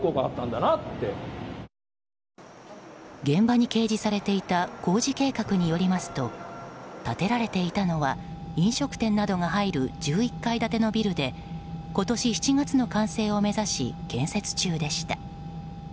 現場に掲示されていた工事計画によりますと建てられていたのは飲食店などが入る１１階建てのビルで今年７月の完成を目指し建設中でした。